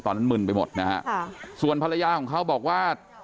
มึนไปหมดนะฮะส่วนภรรยาของเขาบอกว่า